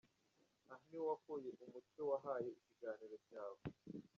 Aha ni ho wakuye umutwe wahaye ikiganiro cyawe.